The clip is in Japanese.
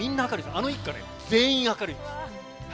あの一家、全員明るいんです。